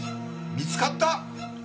見つかった！